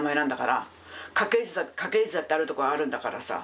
家系図だってあるところはあるんだからさ。